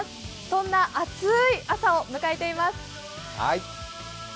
そんな暑い朝を迎えています。